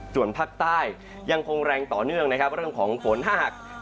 ส่วนภาคใต้ยังคงแรงต่อเนื่องนะครับเรื่องของฝนถ้าหาก